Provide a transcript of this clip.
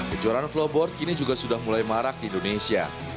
kejuaraan flowboard kini juga sudah mulai marak di indonesia